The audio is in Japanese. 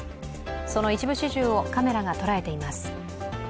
その一部始終をカメラが捉えています。